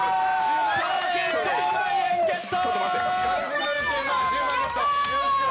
賞金１０万円ゲット！